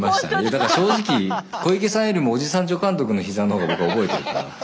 だから正直小池さんよりもおじさん助監督の膝の方が僕は覚えてるかな。